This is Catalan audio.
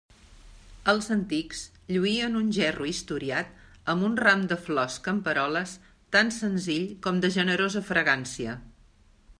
Els antics lluïen un gerro historiat amb un ram de flors camperoles tan senzill com de generosa fragància.